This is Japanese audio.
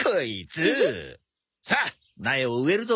さあ苗を植えるぞ！